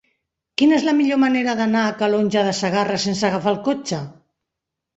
Quina és la millor manera d'anar a Calonge de Segarra sense agafar el cotxe?